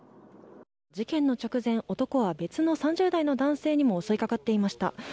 事件の直前、男は別の３０代の男性にも襲いかかっていました。